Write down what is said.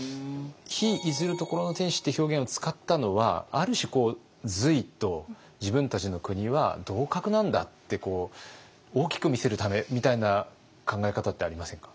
「日出ずる処の天子」って表現を使ったのはある種こう隋と自分たちの国は同格なんだって大きく見せるためみたいな考え方ってありませんか？